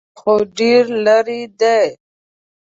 _هو، خو ډېر ليرې دی.